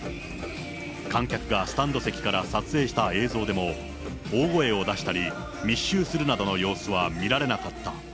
観客がスタンド席から撮影した映像でも、大声を出したり、密集するなどの様子は見られなかった。